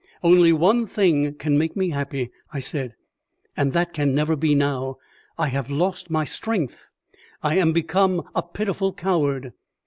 "Only one thing can make me happy," I said, "and that can never be now. I have lost my strength; I am become a pitiful coward."